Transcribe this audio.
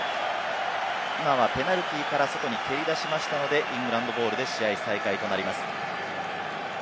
今はペナルティーから外に蹴り出しましたので、イングランドボールで試合再開となります。